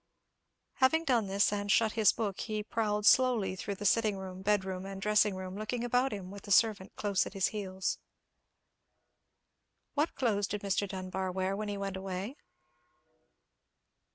Having done this and shut his book, he prowled slowly through the sitting room, bed room, and dressing room, looking about him, with the servant close at his heels. "What clothes did Mr. Dunbar wear when he went away?"